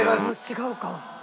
違うか。